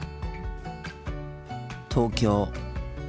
東京。